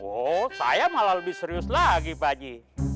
oh saya malah lebih serius lagi pak haji